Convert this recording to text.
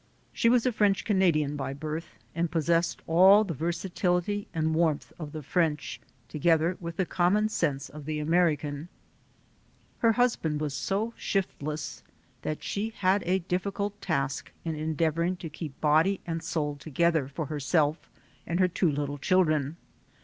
She was a French Canadian by birth and possessed all the versatility and warmth of the French, together with the common sense of the American. Her husband was so shiftless that she had a difficult task in endeavoring to keep body and soul together for herself and her two little children.